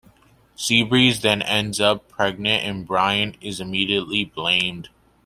Seabreeze then ends up pregnant, and Brian is immediately blamed.